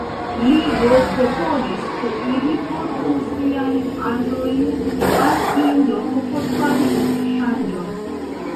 Li do proponis, ke ili portu siajn aĵojn al iu loko por fari interŝanĝon.